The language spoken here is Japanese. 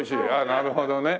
なるほどね。